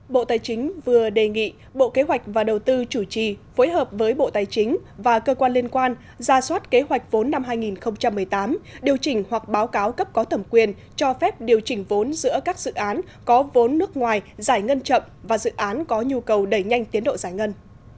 bộ tài chính vừa đề nghị bộ kế hoạch và đầu tư chủ trì phối hợp với bộ tài chính và cơ quan liên quan ra soát kế hoạch vốn năm hai nghìn một mươi tám điều chỉnh hoặc báo cáo cấp có thẩm quyền cho phép điều chỉnh vốn giữa các dự án có vốn nước ngoài giải ngân chậm và dự án có nhu cầu đẩy nhanh tiến độ giải ngân